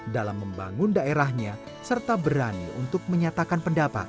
dalam membangun daerahnya serta berani untuk menyatakan pendapat